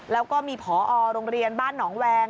แล้วก็มีผอโรงเรียนบ้านหนองแวง